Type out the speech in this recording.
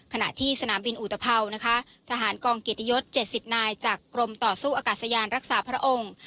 ขณะที่สนามบินอุตภัวนะคะทหารกองเกียรติยศ๗๐นายจากกรมต่อสู้อากาศยานรักษาพระองค์